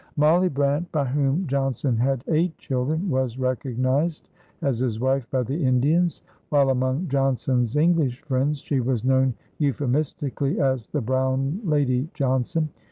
Molly Brant, by whom Johnson had eight children, was recognized as his wife by the Indians, while among Johnson's English friends she was known euphemistically as "the brown Lady Johnson."